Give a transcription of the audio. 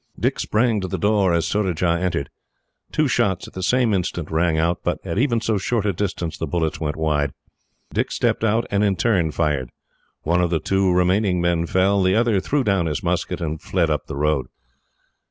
Dick sprang to the door as Surajah entered. Two shots at the same instant rang out; but, at even so short a distance, the bullets went wide. Dick stepped out, and in turn fired. One of the two men fell; the other threw down his musket, and fled up the road.